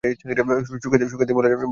সুখের দিনে ভোলা যায়, ব্যথার দিনে নয়।